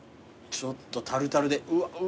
ちょっとタルタルでうわうまそう。